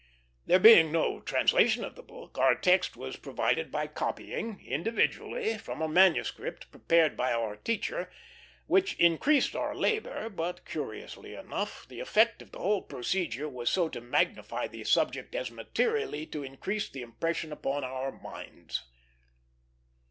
There being no translation of the book, our text was provided by copying, individually, from a manuscript prepared by our teacher, which increased our labor; but, curiously enough, the effect of the whole procedure was so to magnify the subject as materially to increase the impression upon our minds.